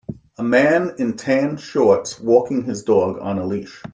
A man in tan shorts walking his dog on a leash.